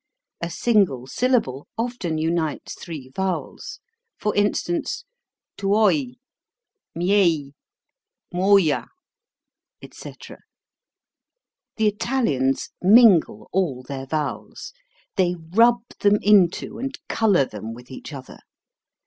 A single syllable often unites three vowels; for instance, "tuoi" (tuoye), "miei" (myeaye) "muoja," etc. The Italians mingle all their vowels. They rub them into and color them with each other.